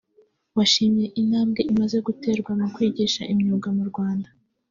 washimye intambwe imaze guterwa mu kwigisha imyuga mu Rwanda